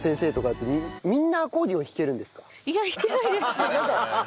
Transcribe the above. いや弾けないです。